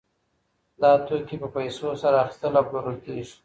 دا توکي په پیسو سره اخیستل او پلورل کیږي.